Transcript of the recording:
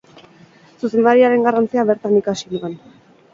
Zuzendariaren garrantzia bertan ikasi nuen.